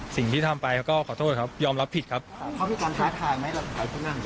สิ่งที่ทำไปก็ขอโทษครับยอมรับผิดครับเขามีการท้าทายไหมหรือว่า